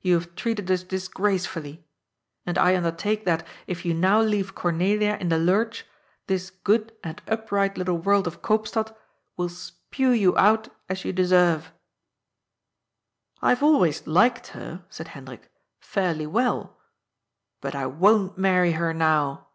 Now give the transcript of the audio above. You have treated us disgrace fully. And I undertake that, if you now leave Cornelia in the lurch, this good and upright little world of Koopstad will spue you out as you deserve." " I have always liked her," said Hendrik, " fairly well. But I won't marry her now."